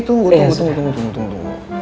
tunggu tunggu tunggu